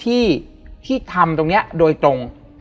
เพื่อที่จะให้แก้วเนี่ยหลอกลวงเค